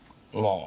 ああ。